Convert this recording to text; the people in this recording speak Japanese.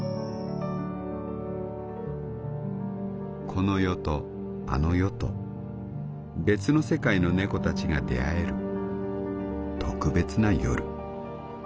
「この世とあの世と別の世界の猫たちが出会える特別な夜。